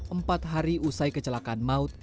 empat hari usai kecelakaan maut